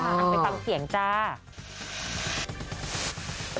เอาไปฟังเสียงจ้า